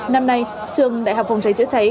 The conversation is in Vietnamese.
năm nay trường đại học phòng cháy chữa cháy